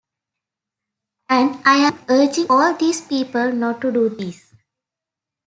And I am urging all these people not to do this.